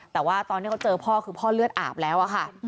แต่ว่าตอนที่เขาเจอพ่อคือพ่อเลือดอาบแล้วอะค่ะ